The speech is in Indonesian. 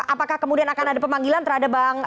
apakah kemudian akan ada pemanggilan terhadap bang